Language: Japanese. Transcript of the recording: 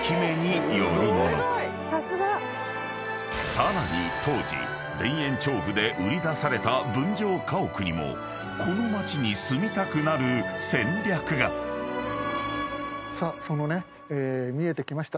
［さらに当時田園調布で売り出された分譲家屋にもこの街に住みたくなる戦略が］さあ見えてきました。